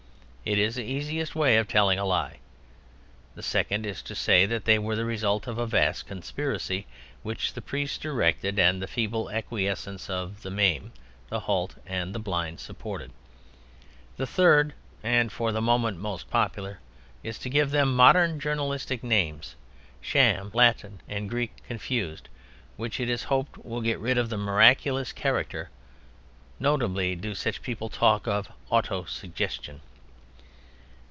It is the easiest way of telling a lie. The second is to say that they were the result of a vast conspiracy which the priests directed and the feeble acquiescence of the maim, the halt and the blind supported. The third (and for the moment most popular) is to give them modern journalistic names, sham Latin and Greek confused, which, it is hoped, will get rid of the miraculous character; notably do such people talk of "auto suggestion."